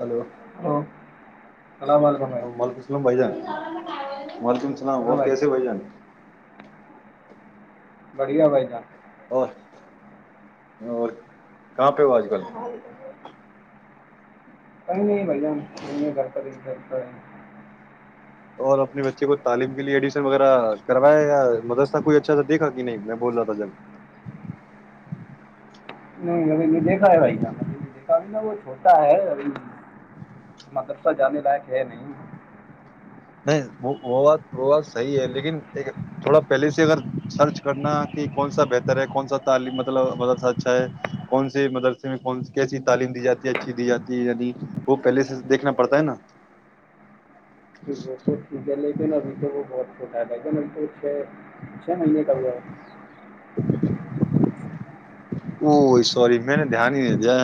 hello hello السلام علیکم بھائی ملک اسلام بائیجان وعلیکم السلام اور کیسے بھائی جان بڑھیا بھائی جان اور اور کہاں پہ ہو آج کل [unintelligible] کئی نہیں بھ جان نہیں گھرپڑ گ اور اپنے بچے کو تعلیم کے لیے ایڈمیشن وغیرہ کروایا یا مدرسہ کوئی اچھا تھا دیکھا کہ نہیں میں بول رہا تھا جب نہیں ابھی نہیں دیکھا ہے بھیا م نہیں دیکھا نا وہ چھوٹا ہے ابھی مدرسہ جانے لائق ہے نہیں وہ نہیں ب وہ بات صحیح ہے لیکن تھوڑا پہلے سے اگر سرچ کرنا کہ کون سا بہتر ہے کون سا تعلی مطلب مدرسہ اچھا ہے کون سے مدرسے میںن کیسی تعلیم دی جاتی ہے اچھی دی جاتی ہے یعنی وہ پہلے سے دیکھنا پڑتا ہے نا وہ تو ٹھیک ہے لیکن ابھی تو وہ بہت فھوٹا گ تو چھ چھ مہینے ک گؤ ا سی میں نے دھیان ہی نہیں دیا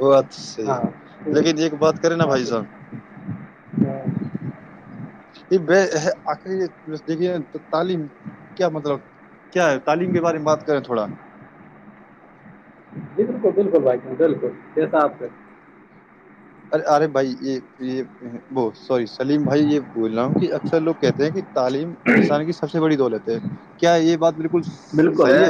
وہ بات صحی ہے ہاں تو لیکن ایک بات کرے نا ہاں بھائی تو صاحب ہاں ج آخر دیکھیے تعلیم کیا مطلب کیا ہے تعلیم کے بارے میں بات کریں تھوڑا جی بالکل بالکل بھائی ج بالکل جیسا آپ سے ارے ارے بھائی یہ یہ ب سوری سلیم بھائی یہ بول رہا ہوں کہ اکثر لوگ کہتے ہیں کہ تعلیم انسان کی سب سے بڑی دولت ہے کیا یہ بات بالکل بالکل ہے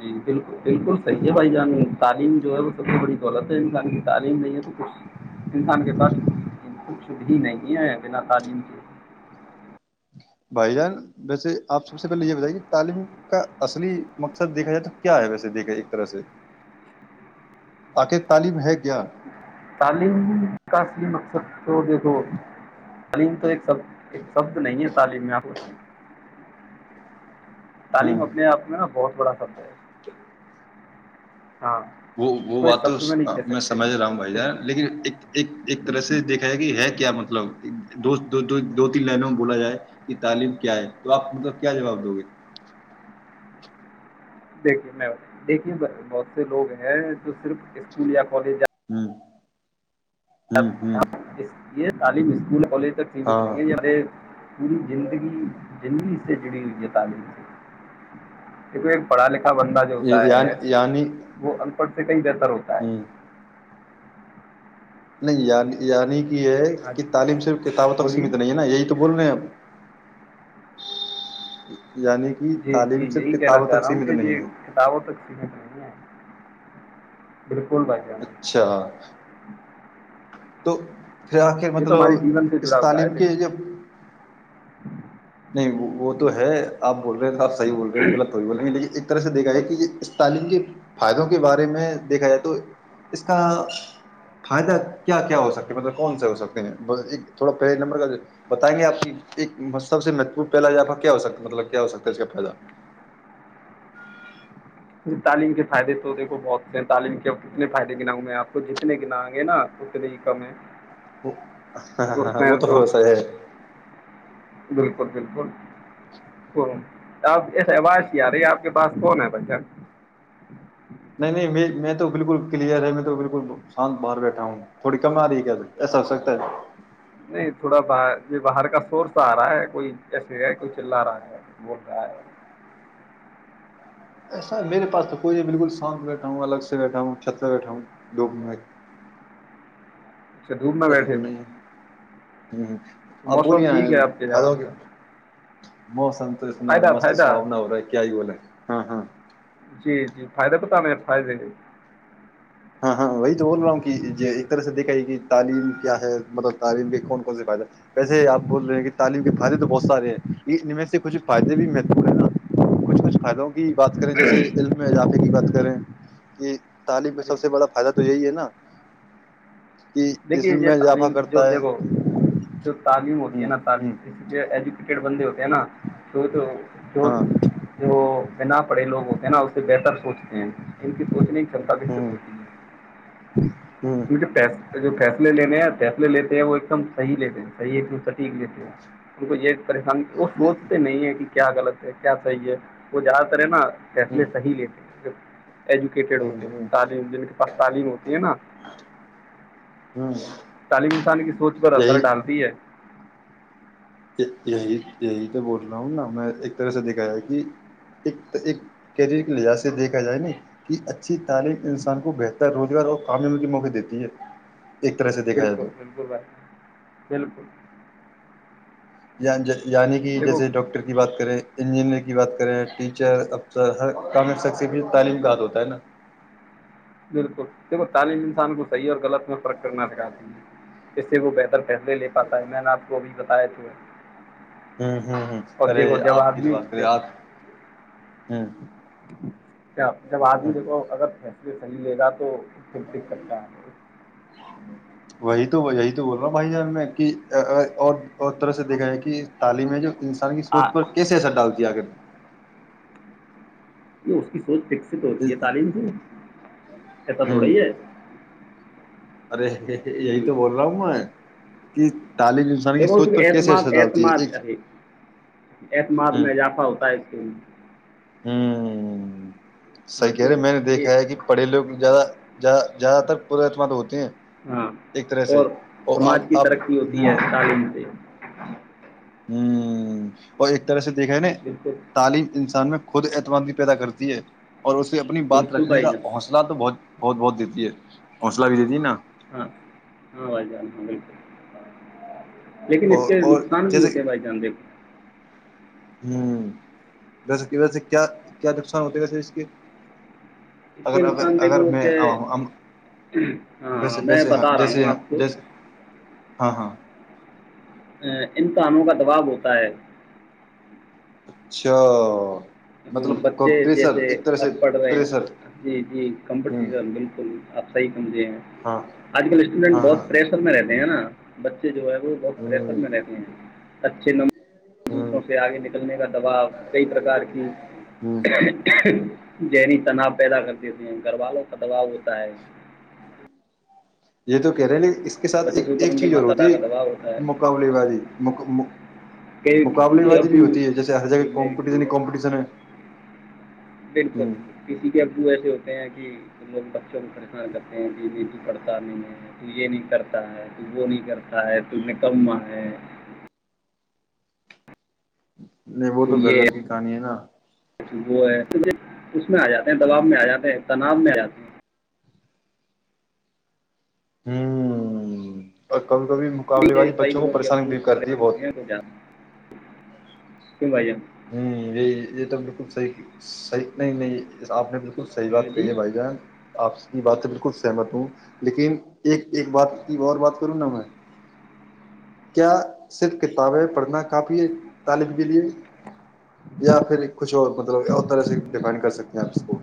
جی بالکل بالکل سحی ہے بھائی جان تعلیم جو ہے وہ سب سے بڑی دولت ہے انسان کی تعلیم نہیں ہے تو کچ انسان کے پاتھ کچھ بھی نہیں ہے بنا تعلیم کے بھائی جان ویسے آپ سب سے پہلے یہ بتائیے کہ تعلیم کا اصلی مقصد دیکھا جائے تو کیا ہے ویسے دیکھ ایک طرح سے آخر تعلیم ہے کیا تعلیم کا اصلی مقصد تو دیکھو تعلیم تو ایک ایک شبد نہیں ہے تعلیم میں آپ کو بتانا تعلیم ہوں اپنے آپ میں نا بہت بڑا سبد ہے ہاں وہ اس وہ کو ایک بات تو شبد نہیں کہہ میں سکتے سمجھ رہا ہوں بھائی جان جیسے- لیکن ایک طرح سے دیکھا ج کہ ہے کیا مطب مطلب دو دو تین لائنوں میں بولا جائے کہ تعلیم کیا ہے تو آپ کو مطلب کیا جواب دو گے دیکھیے میں دیکھیے سر بہت سے لوگ ہیں جو صرف اسکول یا کالج [inaudible] جب ہوں ہوں ہم اس یہ تعلیم اسکول کالج ت کیقت نہیں ہاں ہے یاہ پوری زندگی زندگی سے جڑی ہوئی ہے تعلیم سے ایک پڑھا لکھا بندہ جو ہوتا ہے یعنی یعنی وہ پ ک د ضرت ہے ہوں نہیں یع یعنی یہ ہے ہاں کہ جی تعلیم صرف کتابوں تک بولیے سیمت نہیں ہے نا یہی تو بولےپ [inaudible] جی جی یہی کہنا چاہ رہا ہوں سیمت کہ یہ نہیں ہے کتابوں تک سمت نہیں ہے بالکل بھائی جان اچھا تو پھر آخر یہ تو مطلب ہمارے جیون سے اس جڑا ہوا ہے تعلیم کے دیکھو جو نہیں وہ تو ہے اب بول رہے ہیں آ صحی بول رہے ہیں لط ہو بول رہے ہیں لیک ایک سے دیکا جائے کہ تعلیم کے فائدوں کے بارے میں دیکھا جائے تو اس کا فائدہ کیا کیا ہو سکتا مطلب کون سے ہو سکتے ہیں تھوڑا پہلے نمبر کا بتائیں گے آپ ایک سب سے مہتوپور پہلاپ کیا ہو سکتا مطلب کیا ہو سکتا ہے اس کا فدہ جی تعلیم کے فائدے تو دیکھو بہت سے ہیں تعلیم کے ا کتنے فائدے گناؤں میں آپ کو جتنے گناؤں گے نا اتنے ہی کم ہے ہ ہ وہ تو ہو س بالکل بالکل آپ ایس آواز کی آ رہی ہے آپ کے پاس کون ہے بچہ نہیں نہیں میں تو بالکل کلیئر ہے میں تو بالکل شانت باہر بیٹھا ہوں تھوڑی کم آ رہی ہے کیا ایسا ہو سکتا ہے نہیں تھوڑا باہر یہ باہر کا سورس آ رہا ہے کوئی ایسے ہے کوئی چللا رہا ہے بول رہا ہے ایسا میرے پاس تو کوئی نہیں بالکل سانت بیٹھا ہوں الگ سے بیٹھا ہوں چھت پرہ بیٹھا ہوںگ میں اچھا دوور میں بیٹھے تھے ہ [inaudible] موسم ٹھیک ہے آپ کے آوائی کا موسم اتنا مست سہانا ہو رہا ہے کیا ہی بولے ہے ہاں ہاں جی جی فائدہ بتا م فائدے ہاں ہاں وہی تو بول رہا ہوں کہ یہ ایک طرح سے دیکھا یہ کہ تعلیم کیا ہے مطلب تعلیم کے کون کون سے فائدے ویسے آپ بول رہے ہیں کہ تعلیم کے فائدے تو بہت سارے ہیں ان میں سے کچھ فائدے بھی محدور ہیں نا کچھ کچھ فائدوں کی بات کریں جیسے علم میں جاپ کی بات کریں کہ طالب سے ارے سب سے بڑا فائدہ تو یہی ہے نا کہ اس دیکھیے یہ میں اضافہ تعلیم جو کرتا ہے دیکھو جو تعلیم ہوتی ہے ہ نا تعلیم ہ ج کہ ایجوکیٹیڈ بندے ہوتے ہیں ہے نا تو تو جو ہاں جو بنا بڑے لوگ ہوتے ہیں نا اسے بہتر سوچتے ہیں ان کی سوچنے کی چمتا ہ وکست ہوتی ہے ہ کیونکہ پیسے فیصلے لینے فیصلے لیتے ہیں وہ ایک دم صحیح لیتے ہیں صحی ایکم سٹیک لیتے ہیں ان کو یہ پے ہن وہ سوچ تو نہیں ہے کہ کیا غط ہے کیا صحیح ہے وہ زیادہ تر ہے نا ہ فیصلے صحی لیتے ایجوکیٹڈ ہ ہوتے ہیں ہ تعلیم جن کے پاس تعلیم ہوتی ہے نا ہوں تعلیم انسان کی سوچ پر اثر یہی ڈالتی ہے یہی یہی تو بول رہا ہوں نا میں ایک طرح سے دیکھا جائے کہ ایک ایک کیریئر کے لحاظ سے دیکھا جائے نا کہ اچھی تعلیم انسان کو بہتر روزگار اور کامیاب کے موقعے دیتی ہے ایک طرح سے دیکھا جائے بالکل تو بالکل بائی بالکل اں ج یعنی کہ دیکھو جیسے ڈاکٹر کی بات کریں انجینئر کی بات کریں ٹیچر افسر ہر کام شخص تعلیم کا ہات ہوتا ہے نا بالکل دیکھو تعلیم انسان کو صحیح اور غلط میں فرق کرنا چاہاتتی ہے اس سے وہ بہتر فیسے پاتا ہے میں نے آپ کو اب ب آئے تھے [inaudible] ہوں ہوں ہ ارے جب آپ کی د آدمی بات کرے دیکھو آپ ہاں [inaudible] کیا جب آدمی دیکھو غب ہے اس صحیح لے گا تو [inaudible] ک دقت کا [inaudible] وہی تو یہی بول رہا ہوں بھائی جانب میں کہ اور اور طرح سے دیکھا جائے کہ تعلیم ہے جو انسان کی سوچ پر آ- کیسے اثر ڈالتی ہے آخگر تو اس کی [inaudible] سوچ فکس ہوتی ہے تعلیم سے ایسا تھوڑای ہے ارے [inaudible] یہی تو بول رہا ہوں میں کہ [inaudible] کی دیکھو اس سوچ کے پر کیسے اعتماد اثر ڈالتی ہے اعتماد ایک صی اعتماد میں اضافہ ہوتا ہے اس کے ہاں [inaudible] صح ہاں کہہ تو رہے میں نے دیکھا یہ ہے کہ پڑے لو زیادہ زیادہ زیاد تر پرت م ہو کیا [inaudible] ہاں اور سماج کی اب ترقی ہوتی ہوں ہے تعلیم سے ہوں اور ایک طرح سے دیکھا نے بالکل تعلیم انسان میں خود اعتماد بھی پیدا کرتی ہے اور اسے اپنی بات بالکل رکھنے بھائی کا جان حوصلہ تو بہت بہت بہت دیتی ہے حوصلہ بھی دیتی نا ہاں ہاں وہ ج م لیکن اس اور کے اور نقصان بھی جیسے ہوتے ہیں بھائی جان دیک ہوں ویسے کہ وس کیا کیا نقصان ہوتا ہے ویسے اس کے اس کے اگر اگر نقصان اگر دیکھو میں کہ ہم ویسے ہاں میں ویسے بتا رہا جیسے ہوں آپ کو جیسے [unintelligible] ہاں ہاں ان کاموں کا دبؤ ہوتا ہے اچھا ہ مطلب بچے پریشر جیسے ایک طرح سے اب پڑھ رہے ہیں پریشر جی جی ہ کمپٹیشن بالکل آپ صحیح سمجھے ہیں ہاں آج کل اسٹوڈینٹ ہاں ہاں بہت پریشر میں رہتے ہیںا بچ [unintelligible] جو ہے وہ بہت پریشر میں رہتے ہیں اچھے ہ ہ نمبرسوں سے آگے نکلنے کا دباؤ کئی پرکار کے جی ہ ذہنی تناؤ پیدا کر دیتے ہیں گھر والوں کا دباؤ ہوتا ہے یہ تو کہہ رہے نہیں اس کے ساتھ بچوں ایک اوپر ایک ان کے چیز اور ماتا ہوتی پتا ہے کا دباؤ ہوتا ہے مقابلے بازی کہ کسی مقابل کے بازی بھی ابو ہوتی ہے جیسے ہر جی جگہ میری کمپ ہوئی ہے کمپٹیشن ہے بالکل ہ کسی بھی ابو ویسے ہوتے کہ ت لوگ بچوں کو پریشان کرتے ہیں کہ پڑھتا نہیں ہے تو یہ نہیں کرتا ہے تو وہ نہیں کرتا ہے ت کم ہے نہیں وہ تو گھر گھر کی کہانی ہے نا وہ ہے اس میں آ جاتے ہیں دباؤ میں آ جاتے ہیں تناؤ میں آ جاتے ہیں ہوںچ کبھی کبھی مقابلے ٹھیک ہے بازی کئی بچوں کو لوگوں کے پریشانی بھی کرتی ہے بہت کی بھائیے [unintelligible] ہ یہ یہ تو بالکل صحیح صحیح نہیں نہیں آپ نے بالکل بالچ صحی بات ہاں جی کہیے بھائی جان آپ بات تو بالکل سہمت ہوں لیکن ایک ایک بات کی اور بات وں ن میں کیا صرف کتابیں پڑھنا کافی ہے طالب کے لیے یا پھر کچھ اور مطلب اور طرح سے ڈیفائن کر سکتے ہیں آپ اس کو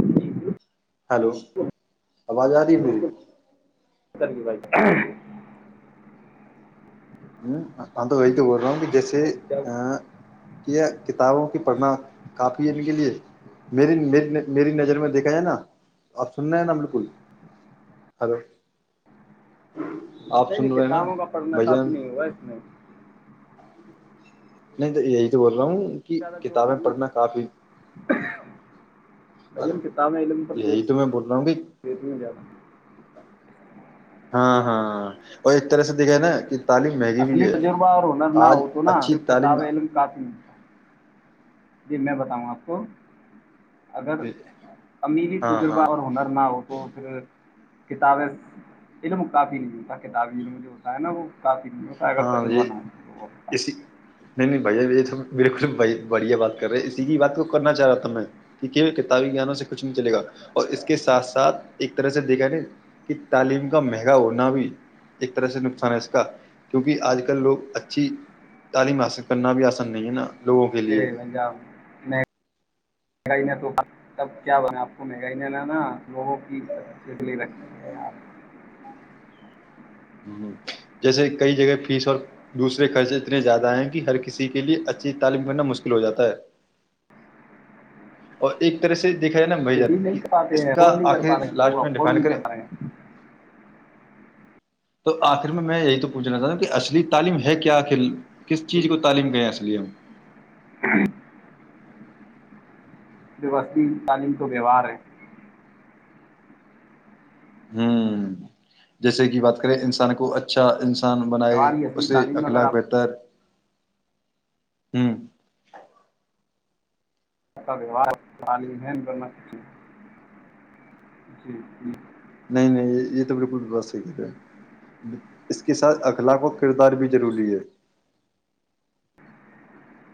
جی ہلو آواز آ رہی مری بالکل بھائی ہ ا ویس ب ران [inaudible] جیسے ہاں جی کیا کہ [unintelligible] کتابوں کی پڑھنا کافی ہے ان کے لیے میری میری نظر میں دیکھا جائے نا آپ سننا ہے نا بالکل ہلو آپ نہیں سن نہیں رہے ہیں نا کتابوں کا پڑھنا کافی نہیں ہوا ایسا [inaudible] نہیں [unintelligible] ج [unintelligible] نہیں تو یہی تو بول رہا ہوں ان کی کتابیں پڑھنا کافی [unintelligible] بھ ج ہم کتابیں علم پر جو یہی تو میں بول رہا ہوں کہ دیتی ہوں جدا [inaudible] ہاں ہاں اور ایک طرح سے دکھ ہے نا کہ تعلیم مہنگی بھی اصلی ہے تجربہ اور ہنر نہ آج ہو تو نہا اچھی صرف تعلیم کتاب علم کافی نہیںتا جی میں بتاؤں آپ کو اگر امیری ہاں تجربہ ہاں اور ہنر نہ ہو تو پھر کتابیں کافی نہیںتا کتاب ع جو ہوتا ہے نا وہ کافی [inaudible] ہاں تجربہ جی نہ ہو تو وہ اس پاس نہیں نہیں بھیا یہ تو بالکل بڑھیا بات کر رہے اسی کی بات کو کرنا چاہ رہا تھا میں کہ کتابی گانوں سے کچھ نہیں چل گا اور اس کے ساتھ ساتھ ایک طرح سے دیکھا ن کہ تعلیم کا مہنگا ہونا بھی ایک طرح سے نقصان ہے اس کا کیونکہ اج کل لوگ اچھی تعلیم حاصل کرنا بھی آسند نہیں ہے نا لوگوں کے س لیے پنجاب میں [inaudible] مہگائی نہ تو تب کیا بنا آپ کو مہنگائی نہ لانا لوگوں کی چلی رکھی ہےپ [inaudible] ہ جیسے کئی جگہ فیس اور دوسرے خرچ اتنے زیادہ ہیں کہ ہر کسی کے لیے اچھی تعلیم کرنا مشکل ہو جاتا ہے اور ایک طرح سے یکا نا بھ آپ جان یہ کہ نہیں کر پاتے اس ہیں کا افورڈ نہیں کر آخر پا رہے ہیں لوگ لاسٹ میں افورڈ ڈیپینڈ نہیں کریں کر پا رہے ہیں تو آخر میں میں یہی تو پوچھنا چاہتا ہوں کہ اصلی تعلیم ہے کیا آخل کس چیز کو ٹھیک تعلیم کے اس لیے ہم [inaudible] وستی تعلیم تو ویوہار ہے [inaudible] ہوں جیسے کہ بات کریں انسان کو اچھا انسان ان بنائے ویوہار کی اس اصلی سے تعلیم اگر اخلاق آپ بہتر [inaudible] ہوں کا ویوار تالمین کرنا سچے جی [inaudible] نہیں نہیں یہ تو بالکلس کریں گ اس کے ساتھ اخلاق و کردار بھی ضروری ہے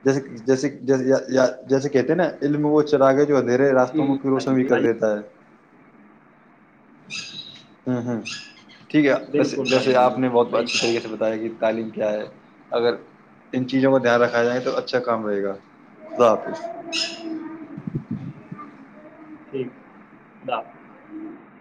جیسے جیسے ج جیسے کہتے ہیں نا علم وہ چراغے ادھیے راستوں میں کی ٹھیک روشن بھی کر بھائی دیتا ہے ہوں ہوں ٹھیک ہے ویسے بالکل ویسے بھائی ہم آپ نے بہت صحیح اچھی کہا طریقے آپ سے نے بتایا کہ تعلیم کیا ہے اگر ان چیزوں کو دھیان رکھا جائے تو اچھا کام رہے گا خدا حافظ ٹھیک ج